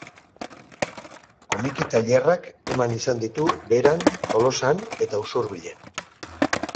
Komiki tailerrak eman izan ditu Beran, Tolosan eta Usurbilen.